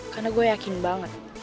karena gue yakin banget